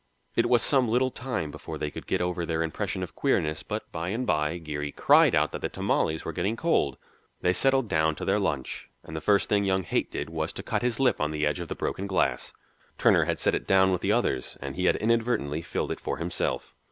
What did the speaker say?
It was some little time before they could get over their impression of queerness, but by and by Geary cried out that the tamales were getting cold. They settled down to their lunch, and the first thing young Haight did was to cut his lip on the edge of the broken glass. Turner had set it down with the others and he had inadvertently filled it for himself.